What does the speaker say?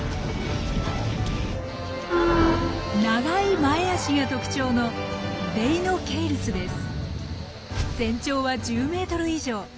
長い前足が特徴の全長は１０ｍ以上。